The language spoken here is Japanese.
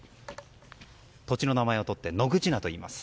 土地の名をとって野口菜といいます。